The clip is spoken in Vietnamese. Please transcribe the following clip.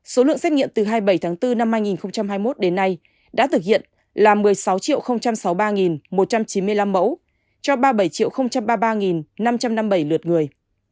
số lượng xét nghiệm từ hai mươi bảy tháng bốn năm hai nghìn hai mươi một đến nay đã thực hiện là một mươi sáu sáu mươi ba một trăm chín mươi năm mẫu cho ba mươi bảy ba mươi ba năm trăm năm mươi bảy lượt người